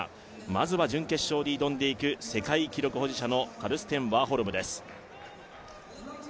まずは準決勝に挑んでいく世界記録保持者のカルステン・ワーホルムです。